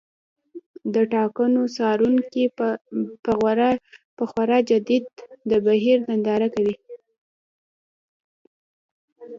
د ټاکنو څارونکي په خورا جدیت د بهیر ننداره کوي.